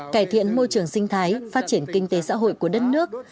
cải thiện môi trường sinh thái phát triển kinh tế xã hội của đất nước